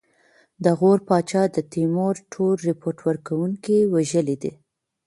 د غور پاچا د تیمور ټول رپوټ ورکوونکي وژلي دي.